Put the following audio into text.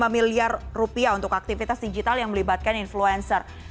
sembilan puluh empat puluh lima miliar rupiah untuk aktivitas digital yang melibatkan influencer